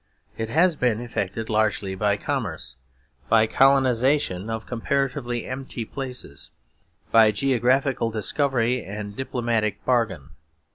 It has been effected largely by commerce, by colonisation of comparatively empty places, by geographical discovery and diplomatic bargain.